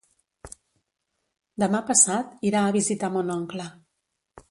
Demà passat irà a visitar mon oncle.